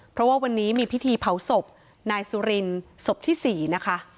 เพราะว่าวันนี้มีพิธีเผาศพนายสุรินศพที่๔นะคะ